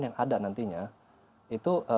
yang ada nantinya itu